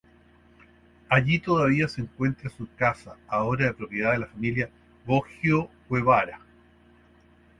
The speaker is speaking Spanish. Allí todavía se encuentra su casa, ahora de propiedad de la familia Boggio Guevara.